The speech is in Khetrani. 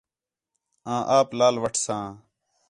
آں آپ لال وٹھساں